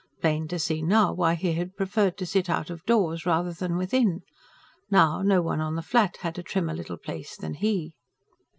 Plain to see now, why he had preferred to sit out of doors rather than within! Now, no one on the Flat had a trimmer little place than he.